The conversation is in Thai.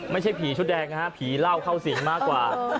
ไม่ใช่ผีชุดแดงนะฮะผีเหล้าเข้าสิงมากกว่า